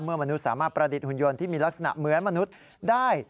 มนุษย์สามารถประดิษฐหุ่นยนต์ที่มีลักษณะเหมือนมนุษย์ได้